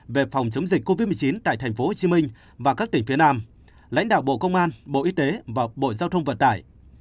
về phòng chống dịch covid một mươi chín tại tp hcm và các tỉnh phía nam lãnh đạo bộ công an bộ y tế và bộ giao thông vận tải